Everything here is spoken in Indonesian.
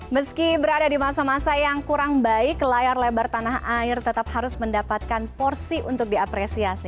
meski berada di masa masa yang kurang baik layar lebar tanah air tetap harus mendapatkan porsi untuk diapresiasi